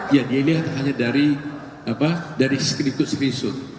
ya dia lihat hanya dari skrip skrip